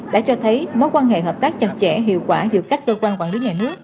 đã cho thấy mối quan hệ hợp tác chặt chẽ hiệu quả giữa các cơ quan quản lý nhà nước